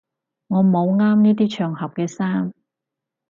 我冇啱呢啲場合嘅衫